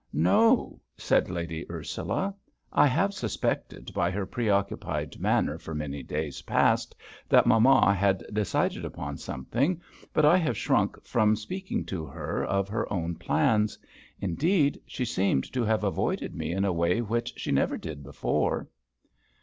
"No," said Lady Ursula. "I have suspected by her preoccupied manner for many days past that mamma had decided upon something, but I have shrunk from speaking to her of her own plans. Indeed she seemed to have avoided me in a way which she never did before."